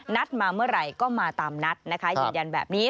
นัดมาเมื่อไหร่ก็มาตามนัดนะคะยืนยันแบบนี้